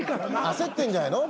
焦ってんじゃないの？